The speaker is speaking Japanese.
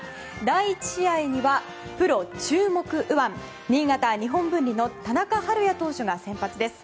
第１試合には、プロ注目右腕新潟・日本文理の田中晴也投手が先発です。